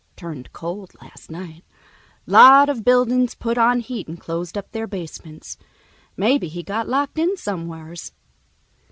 Turned cold last night, lot of buildings put on heat and closed up their basements. Maybe he got locked in somewheres."